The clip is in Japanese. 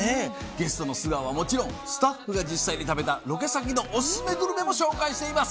ゲストの素顔はもちろんスタッフが実際に食べたロケ先のオススメグルメも紹介しています。